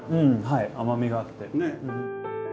はい甘みがあって。